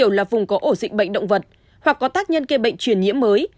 điều là vùng có ổ dịch bệnh động vật hoặc có tác nhân kê bệnh truyền nhiễm mới